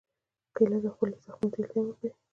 کېله د خولې زخمونو ته التیام ورکوي.